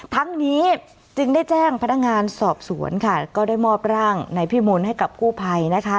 ทั้งนี้จึงได้แจ้งพนักงานสอบสวนค่ะก็ได้มอบร่างในพิมลให้กับกู้ภัยนะคะ